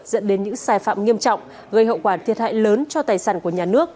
dẫn đến những sai phạm nghiêm trọng gây hậu quả thiệt hại lớn cho tài sản của nhà nước